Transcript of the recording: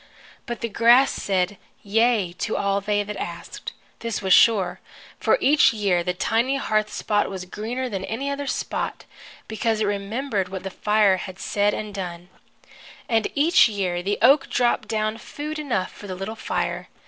But the grass said yea to all they asked, this was sure, for each year the tiny hearth spot was greener than any other spot, because it remembered what the fire had said and done. And each year the oak dropped down food enough for the little fire.